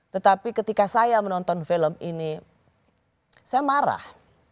tetapi ketika saya menonton film ini saya marah